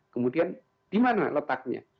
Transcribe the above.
kemudian di mana letaknya